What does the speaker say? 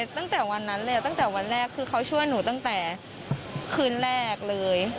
ตั้งแต่วันนั้นเลยตั้งแต่วันแรกคือเขาช่วยหนูตั้งแต่คืนแรกเลย